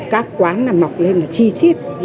các quán mọc lên là chi chít